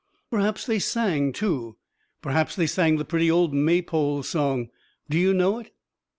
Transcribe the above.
Perhaps they sang, too; perhaps they sang the pretty old Maypole Song. Do you know it?